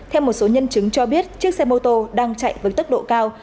theo một số nhân chứng cho biết chiếc xe mô tô đang chạy với tốc độ cao